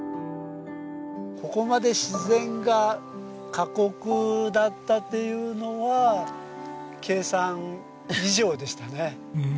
ここまで自然が過酷だったっていうのは計算以上でしたね。